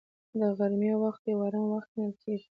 د غرمې وخت یو آرام وخت ګڼل کېږي